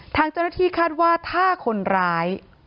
ทางเจ้าหน้าที่คาดว่าถ้าคนร้าย